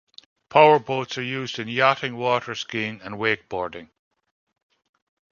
Power boats are used in yachting, waterskiing and wakeboarding.